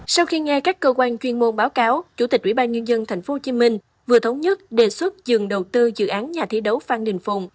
sau khi nghe các cơ quan chuyên môn báo cáo chủ tịch ubnd tp hcm vừa thống nhất đề xuất dừng đầu tư dự án nhà thi đấu phát đình phùng